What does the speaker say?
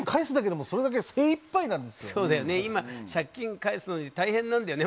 今借金返すのに大変なんだよね